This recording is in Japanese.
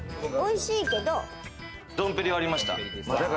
ドンペリがありました。